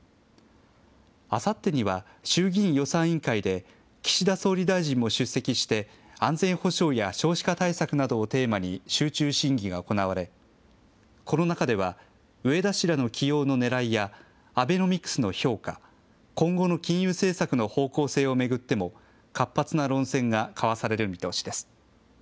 あさってには、衆議院予算委員会で岸田総理大臣も出席して、安全保障や少子化対策などをテーマに集中審議が行われ、この中では植田氏らの起用のねらいやアベノミクスの評価、今後の金融政策の方向性を巡っても、活発な論戦が交わされる見通しです。